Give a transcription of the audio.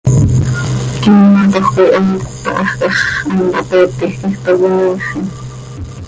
Quiimotoj coi hant táhajca x, hant hapeetij quij toii imiifin.